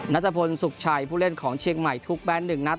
นัตรพลศุกร์ชัยผู้เล่นของเชียงใหม่ถูกแบนด์๑นัด